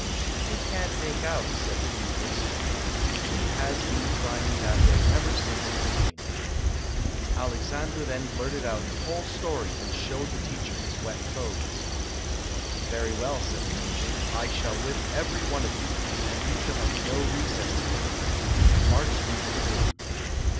"We can't make out", said the pupils, "he has been crying that way ever since he came." Alex andre then blurted out the whole story and showed the teacher his wet clothes. "Very well", said the teacher, "I shall whip every one of you, and you shall have no recess today. March into the room."